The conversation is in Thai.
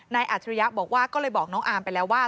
อัจฉริยะบอกว่าก็เลยบอกน้องอามไปแล้วว่า